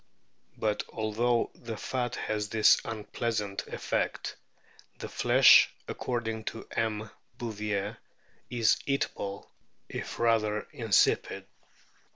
But although the fat has this unpleasant effect, the flesh, according to M. Bouvier, is eatable if rather in sipid.